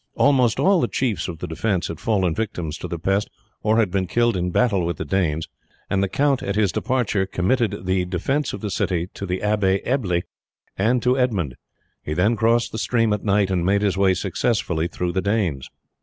Almost all the chiefs of the defence had fallen victims to the pest, or had been killed in battle with the Danes, and the count at his departure committed the defence of the city to the Abbe Ebble and Edmund. He then crossed the stream at night, and made his way successfully through the Danes.